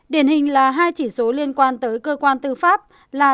điển hình là hai chỉ số liên quan tới cơ quan tư pháp là